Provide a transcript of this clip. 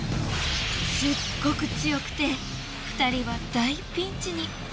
すっごく強くて２人は大ピンチに。